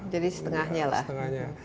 jadi setengahnya lah